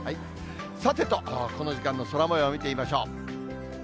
さてと、この時間の空もようを見てみましょう。